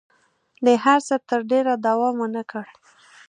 دې هر څه تر ډېره دوام ونه کړ.